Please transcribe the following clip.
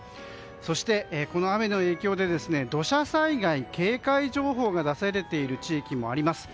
そして、この雨の影響で土砂災害警戒情報が出されている地域もあります。